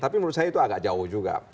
tapi menurut saya itu agak jauh juga